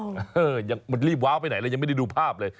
หรือว้าวอยู่ภาพเป็นไหนเลยยังไม่ได้ดูภาพเลย